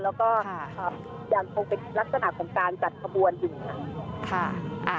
แล้วก็ยังคงเป็นลักษณะของการจัดขบวนอยู่ค่ะ